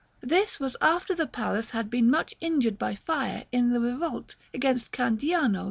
This was after the palace had been much injured by fire in the revolt against Candiano IV.